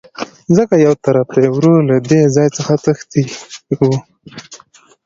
ځکه يوطرف ته يې ورور له دې ځاى څخه تښى وو.